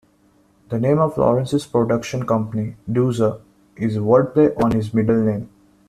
The name of Lawrence's production company, Doozer, is wordplay on his middle name.